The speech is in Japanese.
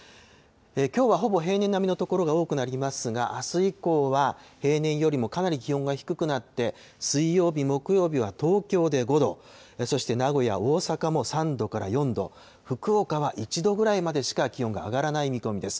きょうはほぼ平年並みの所が多くなりますが、あす以降は、平年よりもかなり気温が低くなって、水曜日、木曜日は東京で５度、そして、名古屋、大阪も３度から４度、福岡は１度ぐらいまでしか気温が上がらない見込みです。